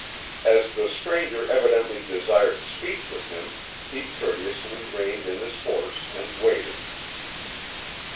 As the stranger evidently desired speech with him he courteously reined in his horse and waited.